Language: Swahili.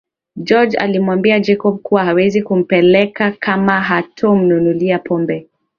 George alimwambia Jacob kuwa hawezi kumpeleka kama hatomnunulia pombe